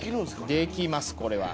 できます！